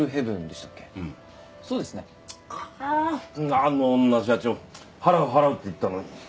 あの女社長払う払うって言ったのに。